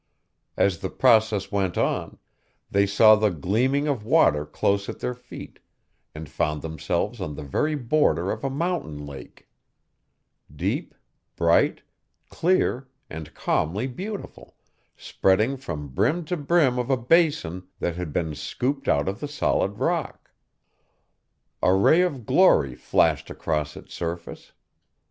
As the process went on, they saw the gleaming of water close at their feet, and found themselves on the very border of a mountain lake, deep, bright, clear, and calmly beautiful, spreading from brim to brim of a basin that had been scooped out of the solid rock. A ray of glory flashed across its surface.